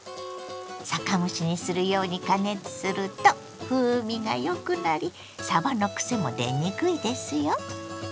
酒蒸しにするように加熱すると風味がよくなりさばのくせも出にくいですよ。